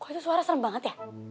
kok itu suara serem banget ya